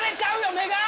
目が！